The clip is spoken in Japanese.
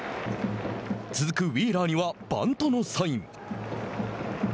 続くウィーラーにはバントのサイン。